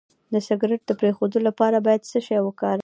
د سګرټ د پرېښودو لپاره باید څه شی وکاروم؟